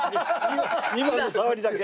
２番のさわりだけ。